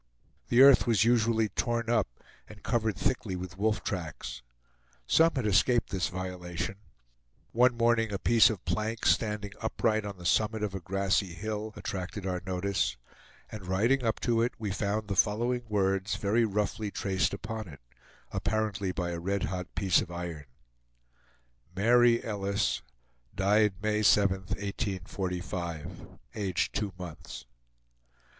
The earth was usually torn up, and covered thickly with wolf tracks. Some had escaped this violation. One morning a piece of plank, standing upright on the summit of a grassy hill, attracted our notice, and riding up to it we found the following words very roughly traced upon it, apparently by a red hot piece of iron: MARY ELLIS DIED MAY 7TH, 1845. Aged two months.